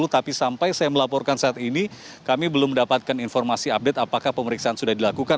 tapi sampai saya melaporkan saat ini kami belum mendapatkan informasi update apakah pemeriksaan sudah dilakukan